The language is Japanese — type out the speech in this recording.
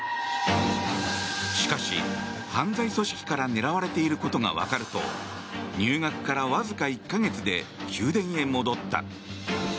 しかし犯罪組織から狙われていることが分かると入学から、わずか１か月で宮殿へ戻った。